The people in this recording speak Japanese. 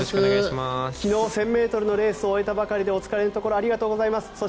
昨日、１０００ｍのレースを終えたばかりでお疲れのところありがとうございます。